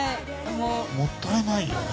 もったいないよね。